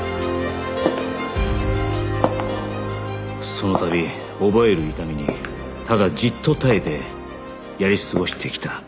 その度覚える痛みにただじっと耐えてやり過ごしてきた